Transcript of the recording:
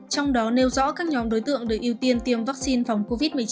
trong đó nêu rõ các nhóm đối tượng được ưu tiên tiêm vaccine phòng covid một mươi chín